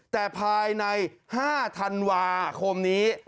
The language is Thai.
แต่ภายใน๕ธันวาคมนี้